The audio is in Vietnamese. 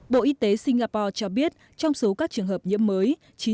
bộ y tế singapore cho biết trong số các trường hợp nhiễm mới